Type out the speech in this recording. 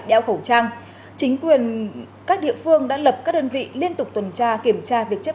đeo khẩu trang chính quyền các địa phương đã lập các đơn vị liên tục tuần tra kiểm tra việc chấp